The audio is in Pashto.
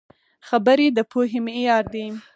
خبرې د پوهې معیار دي